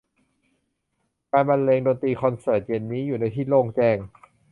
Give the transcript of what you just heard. การบรรเลงดนตรีคอนเสิร์ตเย็นนี้อยู่ในที่โล่งแจ้ง